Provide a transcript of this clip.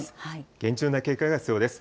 厳重な警戒が必要です。